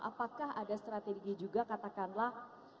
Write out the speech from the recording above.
apakah ada strategi juga katakanlah